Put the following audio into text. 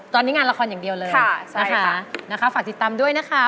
ตอนนี้งานละครอย่างเดียวเลยนะคะฝากติดตามด้วยนะคะ